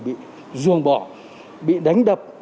bị ruồng bỏ bị đánh đập